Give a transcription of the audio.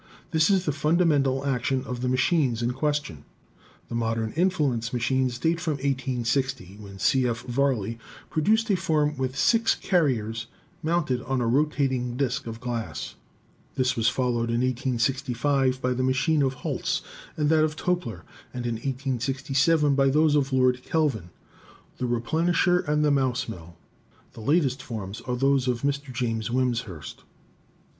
This is the fundamental action of the machines in question. The modern influence machines date from i860, when C. F. Varley produced a form with six carriers mounted on a rotating disk of glass. This was followed in 1865 by the machine of Holtz and that of Toepler, and in 1867 by those of Lord Kelvin (the "re plenisher" and the "mouse mill"). The latest forms are those of Mr. James Wimshurst."